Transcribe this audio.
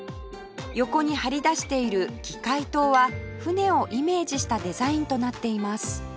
横に張り出している議会棟は船をイメージしたデザインとなっています